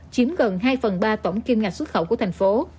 chiếm gần hai phần ba tổng kim ngạch xuất khẩu của thành phố